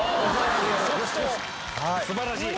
素晴らしい！